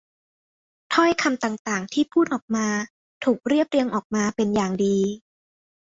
ถ้อยคำต่าง ๆ ที่พูดออกมาถูกเรียบเรียงออกมาเป็นอย่างดี